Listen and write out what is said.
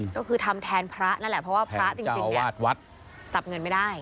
ก็คือทำแทนพระนั่นแหละเพราะว่าพระจริงเนี่ยจับเงินไม่ได้